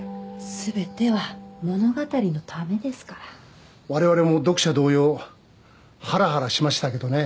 全ては物語のためですから我々も読者同様ハラハラしましたけどね